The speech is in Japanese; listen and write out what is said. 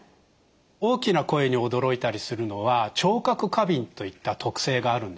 大きな声に驚いたりするのは聴覚過敏といった特性があるんですね。